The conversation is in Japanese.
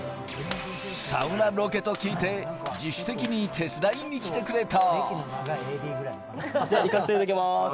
サウナロケと聞いて、自主的に手伝いに来てくれた。